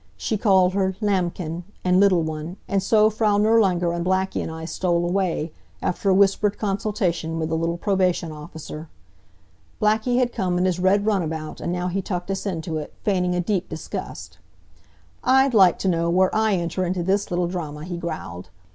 She called her "Lammchen" and "little one," and so Frau Nirlanger and Blackie and I stole away, after a whispered consultation with the little probation officer. Blackie had come in his red runabout, and now he tucked us into it, feigning a deep disgust. "I'd like to know where I enter into this little drayma," he growled.